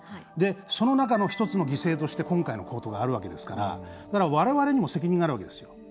その中の１つの犠牲として今回のことがあるわけですからわれわれにも責任があるわけです。